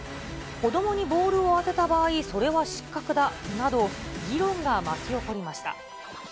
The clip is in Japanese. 子どもにボールを当てた場合、それは失格だなど、議論が巻き起こりました。